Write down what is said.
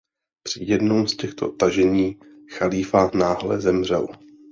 Při jednom z těchto tažení chalífa náhle zemřel.